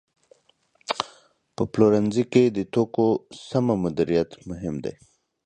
په پلورنځي کې د توکو سمه مدیریت مهم دی.